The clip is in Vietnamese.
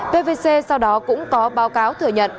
pvc sau đó cũng có báo cáo thừa nhận